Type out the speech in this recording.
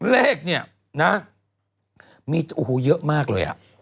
เลขเนี่ยนะมีโอ้โหเยอะมากเลยอ่ะ